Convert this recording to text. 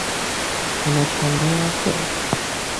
কোন সন্দেহ আছে?